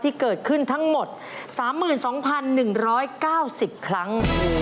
ที่เกิดขึ้นทั้งหมด๓๒๑๙๐ครั้ง